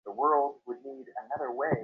তুমি শান্ত হও।